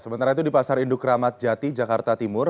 sementara itu di pasar induk ramadjati jakarta timur